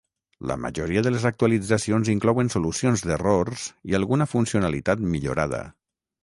La majoria de les actualitzacions inclouen solucions d'errors i alguna funcionalitat millorada.